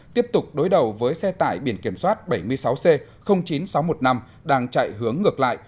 tiếp tục đối đầu với xe tải biển kiểm soát bảy mươi sáu c chín nghìn sáu trăm một mươi năm đang chạy hướng ngược lại